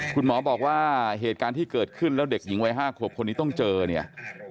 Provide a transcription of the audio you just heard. คุณหมอบอกว่าเหตุการณ์ที่เกิดขึ้นแล้วเด็กหญิงวัย๕ขวบคนนี้ต้องเจอเนี่ย